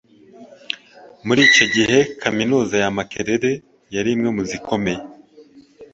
Muri icyo gihe Kaminuza ya Makerere yari imwe mu zikomeye